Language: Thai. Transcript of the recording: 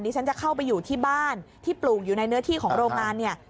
ฉันจะเข้าไปอยู่ที่บ้านที่ปลูกอยู่ในเนื้อที่ของโรงงานเนี่ย